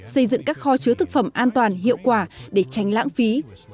xây dựng các kho chứa thực phẩm an toàn hiệu quả để tránh lãng phí